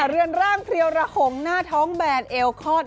เรือนร่างเพลียวระหงหน้าท้องแบนเอลคอน